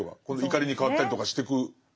怒りに変わったりとかしてく。